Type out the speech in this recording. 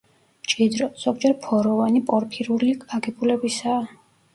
მჭიდრო, ზოგჯერ ფოროვანი, პორფირული აგებულებისაა.